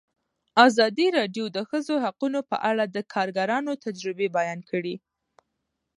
ازادي راډیو د د ښځو حقونه په اړه د کارګرانو تجربې بیان کړي.